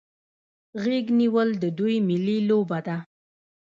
غیږ نیول د دوی ملي لوبه ده.